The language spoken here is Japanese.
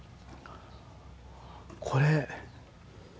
これ。